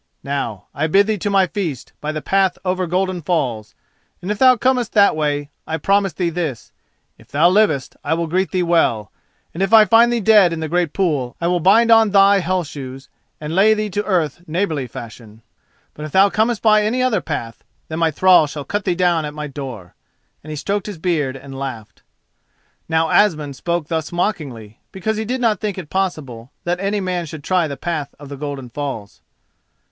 Now, I bid thee to my feast by the path over Golden Falls; and, if thou comest that way, I promise thee this: if thou livest I will greet thee well, and if I find thee dead in the great pool I will bind on thy Hell shoes and lay thee to earth neighbourly fashion. But if thou comest by any other path, then my thralls shall cut thee down at my door." And he stroked his beard and laughed. Now Asmund spoke thus mockingly because he did not think it possible that any man should try the path of the Golden Falls.